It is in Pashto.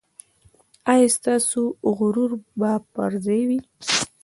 ایا ستاسو غرور به پر ځای وي؟